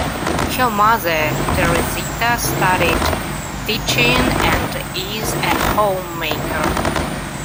Her mother, Teresita, studied teaching and is a homemaker.